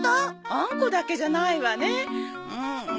あんこだけじゃないわね。